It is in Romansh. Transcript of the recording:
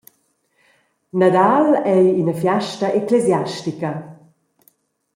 Nadal ei ina fiasta ecclesiastica.